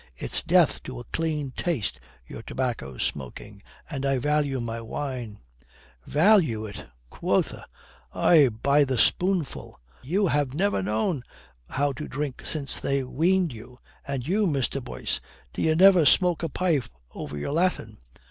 "It's death to a clean taste, your tobacco smoking, and I value my wine." "Value it, quotha! Ay, by the spoonful. You ha' never known how to drink since they weaned you. And you, Mr. Boyce, d'ye never smoke a pipe over your Latin?"